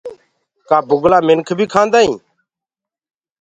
ڪآ بُگلآ منک بي کآندآ هين؟